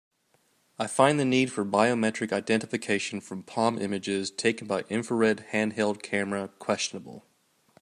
I find the need for biometric identification from palm images taken by infrared handheld camera questionable.